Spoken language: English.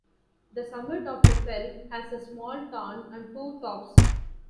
The summit of the fell has a small tarn and two tops.